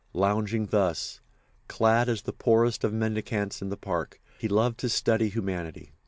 Lounging thus, clad as the poorest of mendicants in the parks, he loved to study humanity.